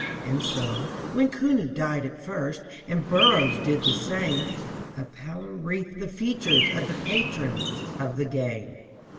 And so, when Cooney died at first, and Burrows did the same, A pallor wreathed the features of the patrons of the game.